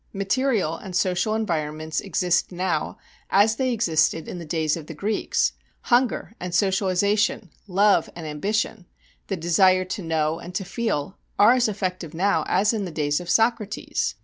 Material and social environments exist now as they existed in the days of the Greeks; hunger and socialization, love and ambition, the desire to know and to feel, are as effective now as in the days of Socrates.